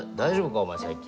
お前最近。